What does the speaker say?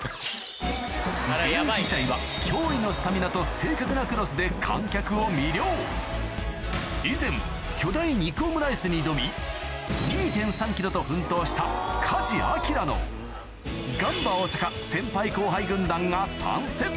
現役時代は驚異のスタミナと正確なクロスで観客を魅了以前巨大肉オムライスに挑み２．３ｋｇと奮闘したガンバ大阪先輩後輩軍団が参戦